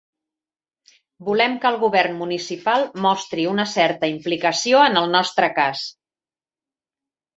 Volem que el govern municipal mostri una certa implicació en el nostre cas.